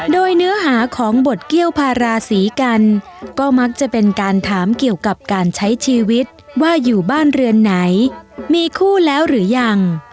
โดยเนื้อหาของบทเกี้ยวพาราศีกันก็มักจะเป็นการถามเกี่ยวกับการใช้ชีวิตว่าอยู่บ้านเรือนไหนมีคู่แล้วหรือยัง